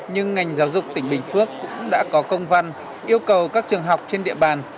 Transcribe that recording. nhưng ngành giáo dục tỉnh bình phước cũng đã có công văn yêu cầu các trường học trên địa bàn